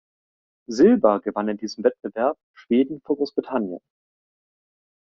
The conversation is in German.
Silber gewann in diesem Wettbewerb Schweden vor Großbritannien.